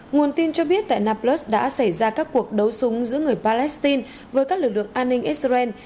nguồn tin cho biết tại naplus đã xảy ra các cuộc đấu súng giữa người palestine với các lực lượng an ninh israel